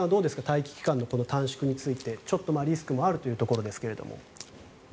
待機期間の短縮についてちょっとリスクもあるということですが。